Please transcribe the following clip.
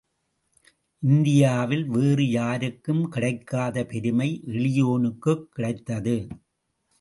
இந்தியாவில் வேறு யாருக்கும் கிடைக்காத பெருமை எளியேனுக்குக் கிடைத்தது.